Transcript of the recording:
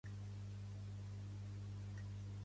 Potser no els caldrà la llengua primigènia, per entendre's.